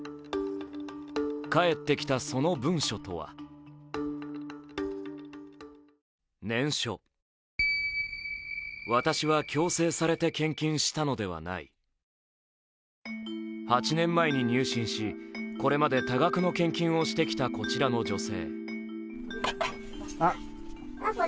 返ってきたその文書とは８年前に入信し、これまで多額の献金をしてきたこちらの女性。